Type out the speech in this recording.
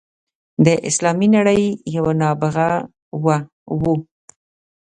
د اسلامي نړۍ یو نابغه وو.